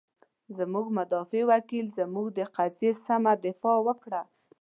زمونږ مدافع وکیل، زمونږ د قضیې سمه دفاع وکړه.